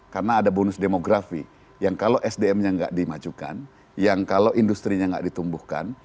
karena ada bonus demografi yang kalau sdm nya gak dimajukan yang kalau industri nya gak ditumbuhkan